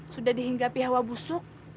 sudah dihinggapi hawa busuk